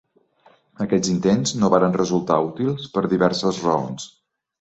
Aquests intents no varen resultar útils per diverses raons.